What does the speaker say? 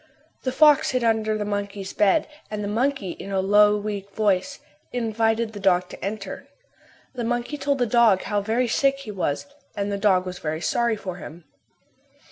The fox hid under the monkey's bed and the monkey, in a low, weak voice, invited the dog to enter. The monkey told the dog how very sick he was and the dog was very sorry for him.